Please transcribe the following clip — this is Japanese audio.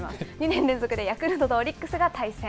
２年連続でヤクルトとオリックスが対戦。